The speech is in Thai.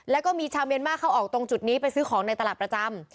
แล้วก็มีชาวเมียนมาร์เข้าออกตรงจุดนี้ไปซื้อของในตลาดประจำ